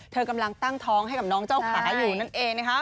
เธอกำลังตั้งท้องให้กับน้องเจ้าขาอยู่นั่นเองนะคะ